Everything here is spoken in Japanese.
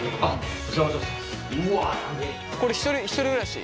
これ１人暮らし？